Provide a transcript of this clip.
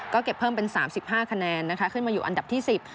ก็เก็บเพิ่มเป็น๓๕คะแนนนะคะขึ้นมาอยู่อันดับที่๑๐